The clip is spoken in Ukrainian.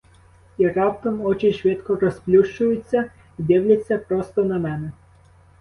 І раптом очі швидко розплющуються й дивляться просто на мене.